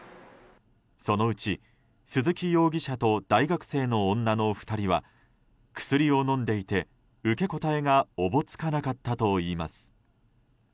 そのうち、鈴木容疑者と大学生の女の２人は薬を飲んでいて、受け答えがおぼつかなかったといいます。